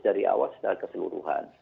dari awal secara keseluruhan